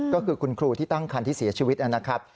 ก็คือคุณครูที่ตั้งคันที่เสียชีวิตนะครับ